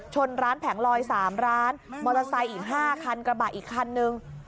ชนร้านแผงลอย๓ร้านมอเตอร์ไซค์อีก๕คันกระบะอีกคันนึง